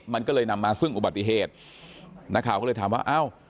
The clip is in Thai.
มันก็เลยนำมาซึ่งอุบัติเหตุนักข่าวก็เลยถามว่าเอ้า